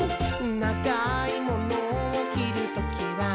「ながいモノをきるときは、」